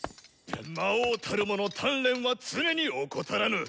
魔王たるもの鍛錬は常に怠らぬ。